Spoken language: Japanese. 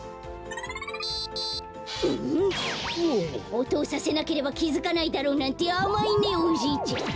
おとをさせなければきづかないだろうなんてあまいねおじいちゃん。